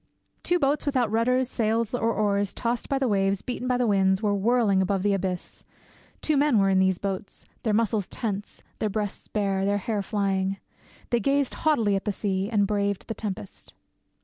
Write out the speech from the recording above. Two boats, without rudders, sails, or oars, tossed by the waves, beaten by the winds, were whirling above the abyss; two men were in these two boats, their muscles tense, their breasts bare, their hair flying. They gazed haughtily on the sea, and braved the tempest.